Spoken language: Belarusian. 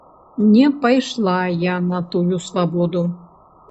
Не пайшла я на тую свабоду.